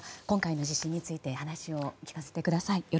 今回の地震について話を聞かせてください。